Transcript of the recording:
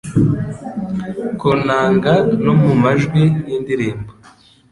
ku nanga no mu majwi y’indirimbo